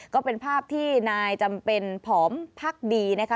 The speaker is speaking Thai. ก็เป็นภาพที่นายจำเป็นผอมพักดีนะคะ